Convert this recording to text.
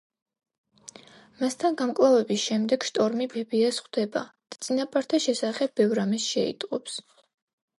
მასთან გამკლავების შემდეგ შტორმი ბებიას ხვდება და წინაპართა შესახებ ბევრ რამეს შეიტყობს.